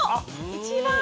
一番。